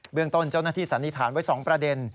เรื่องต้นเจ้าหน้าที่สันนิษฐานไว้๒ประเด็น